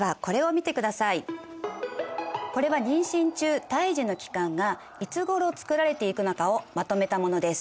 これは妊娠中胎児の器官がいつごろ作られていくのかをまとめたものです。